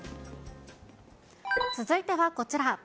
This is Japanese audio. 続いてはこちら。